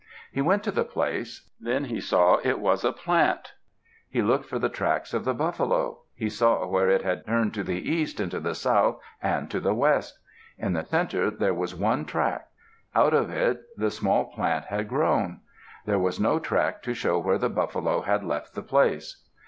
He went to the place; then he saw it was a plant. He looked for the tracks of the buffalo. He saw where it had turned to the east and to the south and to the west. In the center there was one track; out of it the small plant had grown. There was no track to show where the buffalo had left the place.